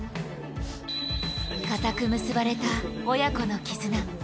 かたく結ばれた親子の絆。